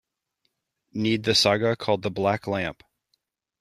Need the saga called the Black Lamp